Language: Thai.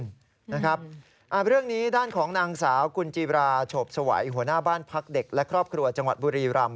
เรื่องนี้ด้านของนางสาวกุญจีบราโฉบสวัยหัวหน้าบ้านพักเด็กและครอบครัวจังหวัดบุรีรำ